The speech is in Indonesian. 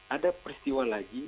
ada peristiwa lagi